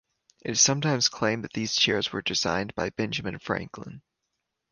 It is sometimes claimed that these chairs were designed by Benjamin Franklin.